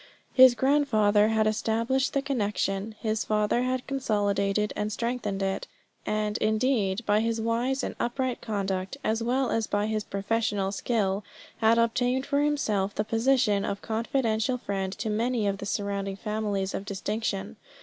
His grandfather had established the connection; his father had consolidated and strengthened it, and, indeed, by his wise and upright conduct, as well as by his professional skill, had obtained for himself the position of confidential friend to many of the surrounding families of distinction.